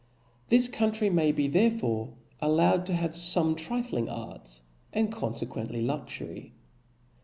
This country may be therefore allowed to have fome trifling arts, and confequently luxury.